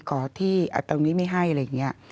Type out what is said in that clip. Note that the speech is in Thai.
ขอที่ตรงนี้ไม่ให้อะไรอย่างนี้